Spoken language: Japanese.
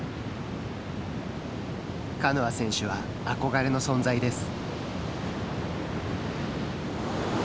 カノア選手は憧れの存在です。